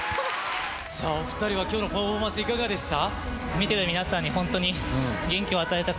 さぁお２人は今日のパフォーマンスいかがでした？